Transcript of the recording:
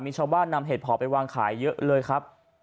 มีชาวบ้านนำเห็ดเพาะไปวางขายเยอะเลยครับ